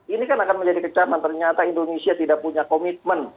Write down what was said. ini kan akan menjadi kecaman ternyata indonesia tidak punya komitmen